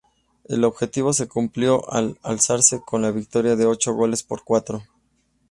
El objetivo se cumplió al alzarse con la victoria de ocho goles por cuatro.